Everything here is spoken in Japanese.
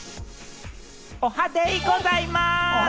おはデイございます！